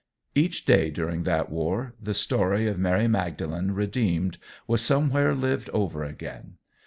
Each day, during that war, the story of Mary Magdalene redeemed was somewhere lived over again.